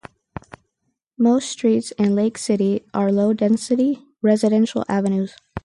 Most streets in Lake City are low density residential avenues.